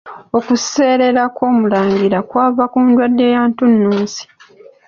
Okuseerera kw'Omulangira kwava ku ndwadde ya ntunnunsi.